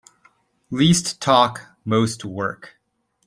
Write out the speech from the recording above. Least talk most work.